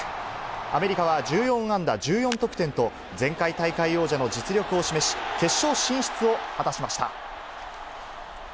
アメリカは１４安打１４得点と、前回大会王者の実力を示し、決勝進出を果たしました。